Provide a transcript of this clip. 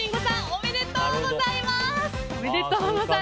おめでとうございます！